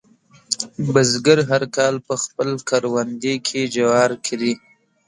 بزګر هر کال په خپل کروندې کې جوار کري.